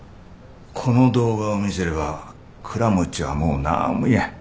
この動画を見せれば倉持はもうなんも言えん。